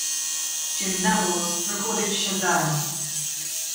Jim Nabors recorded Shazam!